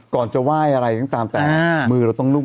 จะไหว้อะไรก็ตามแต่มือเราต้องนุ่ม